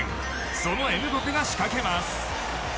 そのエムバペが仕掛けます。